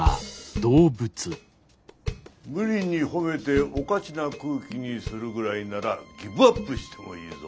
無理に褒めておかしな空気にするぐらいならギブアップしてもいいぞ。